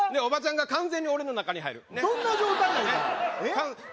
おばちゃんが完全に俺の中に入るどんな状態なん？